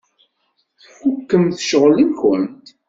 Tfukkemt ccɣel-nkent?